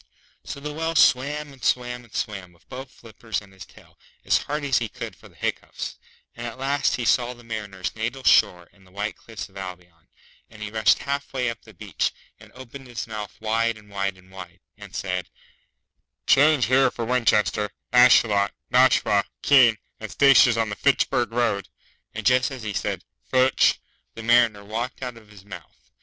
So the Whale swam and swam and swam, with both flippers and his tail, as hard as he could for the hiccoughs; and at last he saw the Mariner's natal shore and the white cliffs of Albion, and he rushed half way up the beach, and opened his mouth wide and wide and wide, and said, 'Change here for Winchester, Ashuelot, Nashua, Keene, and stations on the _Fitch_burg Road;' and just as he said 'Fitch' the Mariner walked out of his mouth.